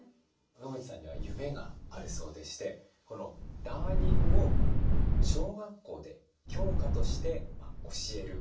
野口さんには夢があるそうでしてこのダーニングを小学校で教科として教える。